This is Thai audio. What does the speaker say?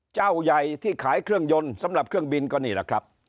เจ้าใหญ่ที่ขายเครื่องยนต์สำหรับเครื่องบินก็นี่แหละครับ